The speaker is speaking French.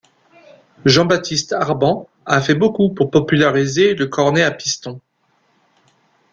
Jean-Baptiste Arban a fait beaucoup pour populariser le cornet à pistons.